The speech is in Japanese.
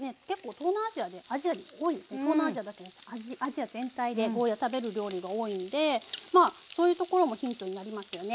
東南アジアだけでなくアジア全体でゴーヤー食べる料理が多いんでそういうところもヒントになりますよね。